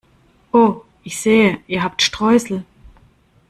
Oh, ich sehe, ihr habt Streusel!